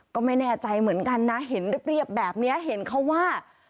ก็ไม่แน่ใจเหมือนกันนะเห็นเรียบแบบนี้เห็นเขาว่า